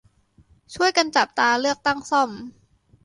ช่วยกันจับตาเลือกตั้งซ่อม